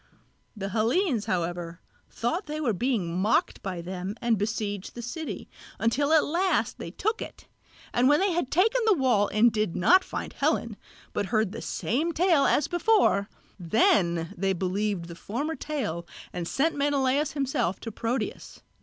The Hellenes however thought that they were being mocked by them and besieged the city, until at last they took it; and when they had taken the wall and did not find Helen, but heard the same tale as before, then they believed the former tale and sent Menelaos himself to Proteus.